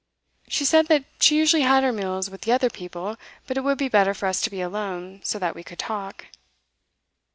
She said that she usually had her meals with the other people, but it would be better for us to be alone, so that we could talk.